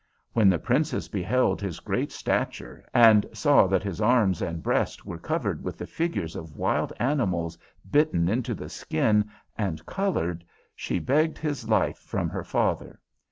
When the Princess beheld his great stature, and saw that his arms and breast were covered with the figures of wild animals, bitten into the skin and coloured, she begged his life from her father.